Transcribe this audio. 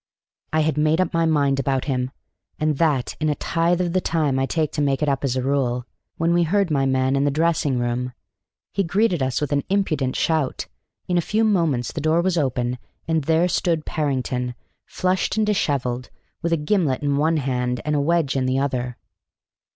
I had made up my mind about him, and that in a tithe of the time I take to make it up as a rule, when we heard my man in the dressing room. He greeted us with an impudent shout; in a few moments the door was open, and there stood Parrington, flushed and dishevelled, with a gimlet in one hand and a wedge in the other.